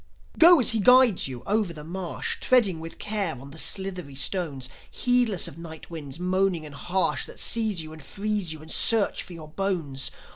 Go as he guides you, over the marsh, Treading with care on the slithery stones, Heedless of night winds moaning and harsh That seize you and freeze you and search for your bones.